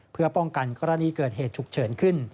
เพื่อป้องกันกรณีเกิดเหตุฉุกเฉินขึ้น